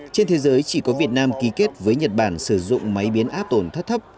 trên thế giới chỉ có việt nam ký kết với nhật bản sử dụng máy biến áp tổn thất thấp